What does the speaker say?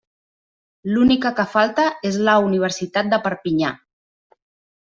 L'única que falta és la Universitat de Perpinyà.